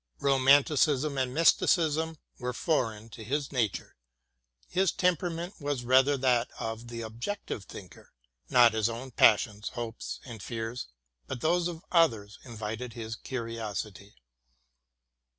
Romanticism and mysticism were foreign to his nature. His temperament was rather that of the objective thinker. Not his own passions, hopes, and fears, but those of others invited his curiosity.